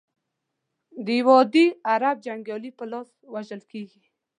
د یوه عادي عرب جنګیالي په لاس وژل کیږي.